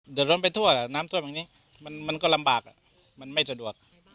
เดี๋ยวล้นไปทั่วแหละน้ำท่วมแบบนี้มันก็ลำบากมันไม่สะดวก